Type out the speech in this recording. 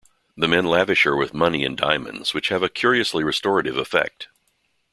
The men lavish her with money and diamonds, which have a curiously restorative effect.